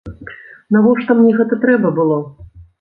Навошта мне гэта трэба было?